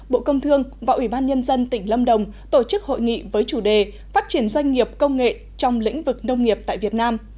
bộ công thương và ủy ban nhân dân tỉnh lâm đồng tổ chức hội nghị với chủ đề phát triển doanh nghiệp công nghệ trong lĩnh vực nông nghiệp tại việt nam